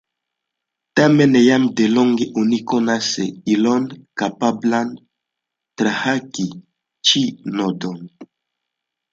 Tamen, jam delonge oni konas ilon kapablan trahaki ĉi nodon.